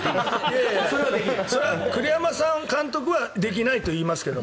それは栗山監督はできないと言いますけど